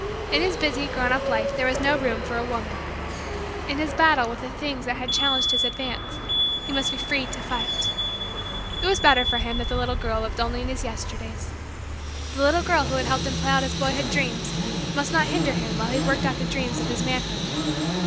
In his busy, grown up, life there was no room for a woman. In his battle with the things that challenged his advance, he must be free to fight. It was better for him that the little girl lived only in his Yesterdays. The little girl who had helped him play out his boyhood dreams must not hinder him while he worked out the dreams of his manhood.